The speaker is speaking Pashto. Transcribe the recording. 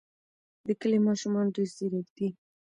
د کلي ماشومان ډېر ځیرک دي.